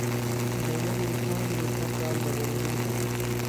د ونوو څانګې سږکال، د غوړیدو سره